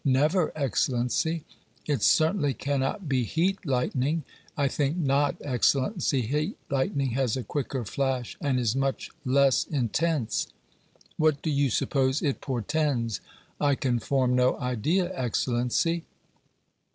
"Never, Excellency." "It certainly cannot be heat lightning." "I think not, Excellency. Heat lightning has a quicker flash and is much less intense." "What do you suppose it portends?" "I can form no idea, Excellency."